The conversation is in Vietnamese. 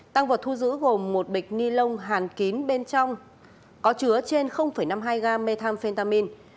tàng vật thu giữ gồm một bịch ni lông hàn kín bên trong có chứa trên năm mươi hai gram methamphetamine